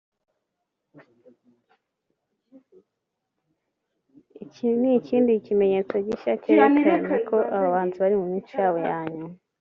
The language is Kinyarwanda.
Iki ni ikindi kimenyetso gishya cyerekana ko aba bahanzi bari mu minsi yabo ya nyuma